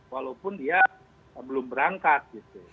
walaupun dia belum berangkat